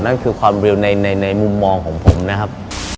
นั่นคือความเร็วในมุมมองของผมนะครับ